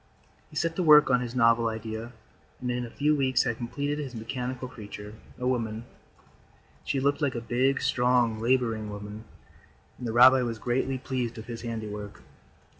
He set to work on his novel idea and in a few weeks had completed his mechanical creature, a woman. She looked like a big, strong, laboring woman, and the rabbi was greatly pleased with his handiwork.